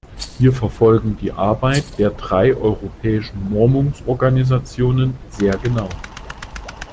Wir verfolgen die Arbeit der drei europäischen Normungsorganisationen sehr genau.